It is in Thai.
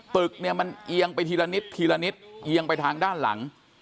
ตึกเนี่ยมันเอียงไปทีละนิดทีละนิดเอียงไปทางด้านหลัง